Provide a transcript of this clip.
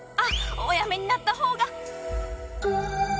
おやめになったほうが！